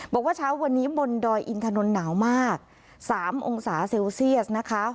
บอกว่าเช้าวันนี้บนดอยอินถนนหนาวมาก๓องศาเซลเซียสนะคะ